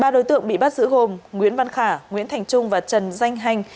ba đối tượng bị bắt giữ gồm nguyễn văn khả nguyễn thành trung và trần danh hành